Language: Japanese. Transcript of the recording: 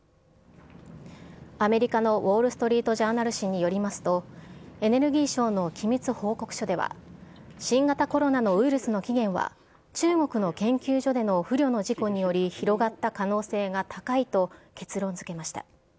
アメリカのウォール・ストリート・ジャーナル紙によりますと、エネルギー省の機密報告書では、新型コロナのウイルスの起源は、中国の研究所での不慮の事故により、広がった可能性が高いと結論づけました。